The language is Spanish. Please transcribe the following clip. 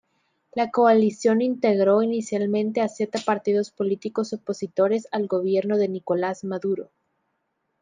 La coalición integró inicialmente a siete partidos políticos opositores al Gobierno de Nicolás Maduro.